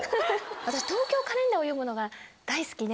私『東京カレンダー』を読むのが大好きで。